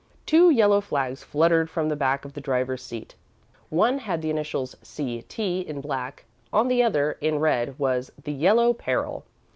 Two yellow flags fluttered from the back of the driver's seat. One had the initials "C. T." in black, on the other, in red, was "The Yellow Peril."